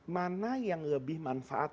mana yang lebih manfaat